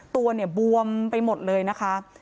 ตัวเนี่ยบวมไปหมดเลยนะคะ